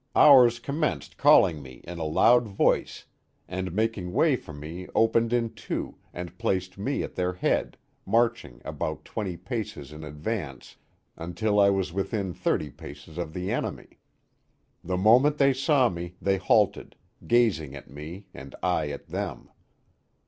Ours commenced calling me in a loud voice, and making way for me opened in two, and placed me at their head, marching about twenty paces in advance, until I was within thirty paces of the enemy. The moment they saw me, they halted, gazing at me and I at them.